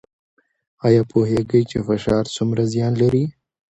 ایا پوهیږئ چې فشار څومره زیان لري؟